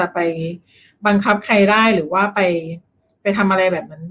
ไปบังคับใครคือแล้ว